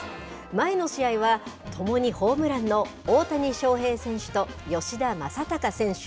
前の試合はともにホームランの大谷翔平選手と吉田正尚選手。